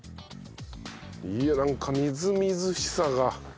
いやなんかみずみずしさが。